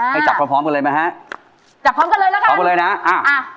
ให้จับพร้อมกันเลยนะฮะ